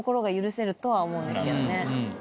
とは思うんですけどね。